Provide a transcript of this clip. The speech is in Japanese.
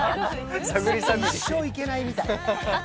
一生行けないみたい。